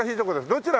どちら？